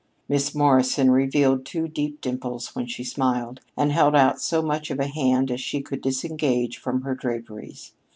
Miss Morrison revealed two deep dimples when she smiled, and held out so much of a hand as she could disengage from her draperies.